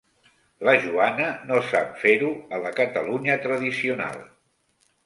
La Joana no sap fer-ho a la Catalunya tradicional.